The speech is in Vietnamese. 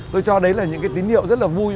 tôi cho đấy là những cái tín hiệu rất là vui